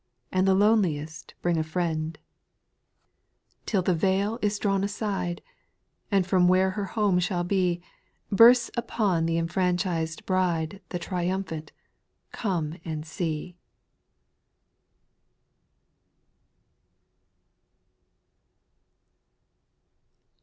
And the loneliest bring a friend ; r 868 SPIRITUAL SONGS, Till the veil is drawn aside, And from where her home shall be, Bursts upon the enfranchised bride, The triumphant, " Come and see."